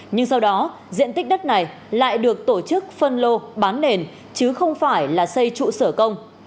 nhưng sau đó diện tích đất này lại được tổ chức phân lô bán nền chứ không phải là xây trụ sở công